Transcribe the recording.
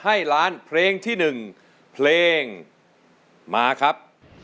ให้ร้านเพลงที่หนึ่งเพลงมาครับ